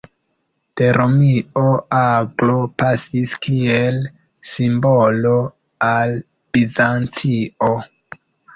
De Romio aglo pasis kiel simbolo al Bizancio.